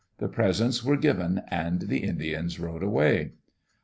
The presents were given and the Indians rode away.